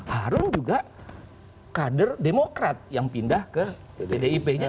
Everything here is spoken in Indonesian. harun juga kader demokrat yang pindah ke pdip